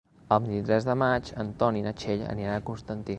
El vint-i-tres de maig en Ton i na Txell aniran a Constantí.